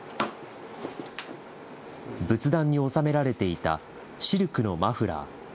仏壇に納められていたシルクのマフラー。